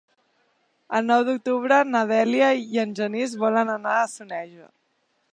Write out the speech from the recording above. El nou d'octubre na Dèlia i en Genís volen anar a Soneja.